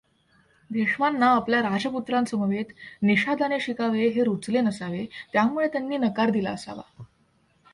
भीष्मांना आपल्या राजपुत्रांसमवेत निषादाने शिकावे हे रूचले नसावे, त्यामुळे त्यांनी नकार दिला असावा.